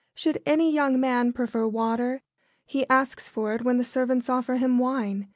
Should any young man prefer water, he asks for it when the servants offer him wine.